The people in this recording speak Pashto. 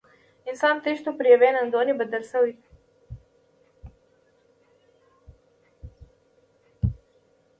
انسان تښتونه پر یوې ننګونې بدله شوه.